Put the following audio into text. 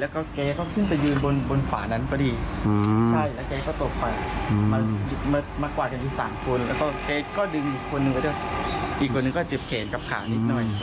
แล้วก็เก๊ก็ดึงอีกคนนึงไปด้วยอีกคนนึงก็จืบเขนกับขานิดหน่อย